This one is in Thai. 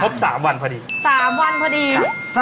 ครับครบ๓วันพอดี